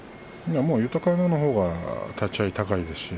豊山のほうが立ち合い高いですし